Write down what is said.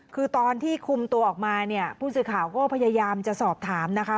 คือตอนที่คุมตัวออกมาเนี่ยผู้สื่อข่าวก็พยายามจะสอบถามนะคะ